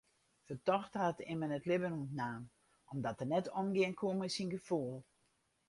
Fertochte hat immen it libben ûntnaam omdat er net omgean koe mei syn gefoel.